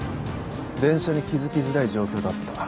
電車に気付きづらい状況だった。